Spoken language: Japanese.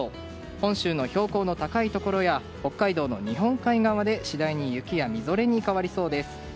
本州の標高の高いところや北海道の日本海側で次第に雪やみぞれに変わりそうです。